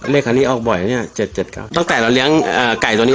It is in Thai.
เลขอันนี้ออกบ่อยนะตั้งแต่เราเลี้ยงไก่ตัวนี้